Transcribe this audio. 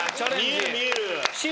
見える見える。